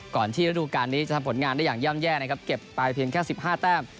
ก่อนที่ฤดูการนี้จะทำผลงานได้อย่างเย่าแย่นะครับเก็บพลาดเพียงแค่สิบห้าแต้ม